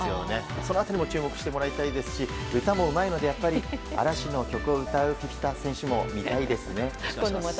その辺りにも注目してもらいたいですし歌もうまいので嵐の曲を歌うフィフィタ選手も見たいですね。